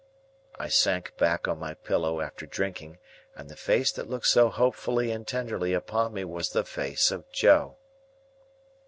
I sank back on my pillow after drinking, and the face that looked so hopefully and tenderly upon me was the face of Joe.